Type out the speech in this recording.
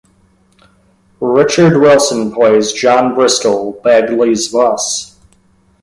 Richard Wilson plays John Bristol, Bagley's boss.